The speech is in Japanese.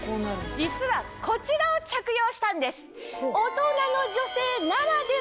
実はこちらを着用したんです。